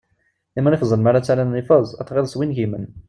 Imrifẓen mara ttarran ifeẓ, ad ttɣilleḍ swingimen.